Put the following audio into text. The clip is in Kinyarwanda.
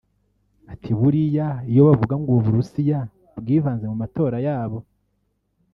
Ati “Buriya iyo bavuga ngo u Burusiya bwivanze mu matora yabo